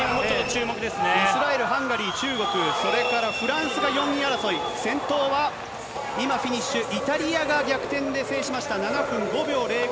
イスラエル、ハンガリー、中国、それからフランスが４位争い、先頭は今フィニッシュ、イタリアが逆転で制しました、７分５秒０５。